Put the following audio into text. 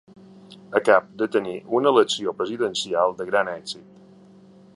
Acabo de tenir una elecció presidencial de gran èxit.